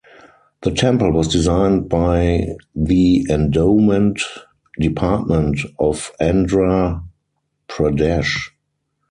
The temple was designed by The Endowment Department of Andhra Pradesh.